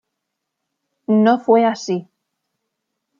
No fue así.